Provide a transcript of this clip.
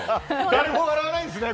誰も笑わないんですね